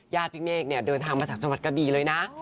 ญาติพี่เมฆเดินทางมาจากจังหวัดกะบีเลยนะ